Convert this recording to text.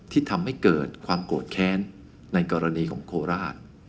ที่ทำให้เกิดความโกรธแค้นในกรณีของโคราช